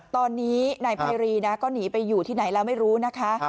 ตอนนี้นายไพรีนะก็หนีไปอยู่ที่ไหนแล้วไม่รู้นะคะ